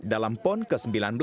dalam pon ke sembilan belas